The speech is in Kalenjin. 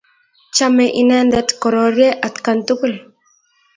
Chame inendet kororye atkan tugul.